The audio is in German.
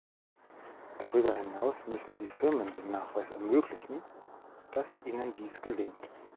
Darüber hinaus müssen die Firmen den Nachweis ermöglichen, dass ihnen dies gelingt.